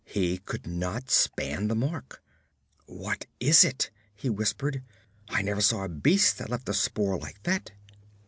He could not span the mark. 'What is it?' he whispered. 'I never saw a beast that left a spoor like that.'